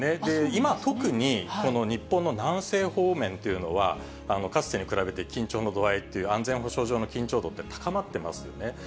今、特に、日本の南西方面というのは、かつてに比べて緊張の度合いという、安全保障上の緊張度って高まってますよね。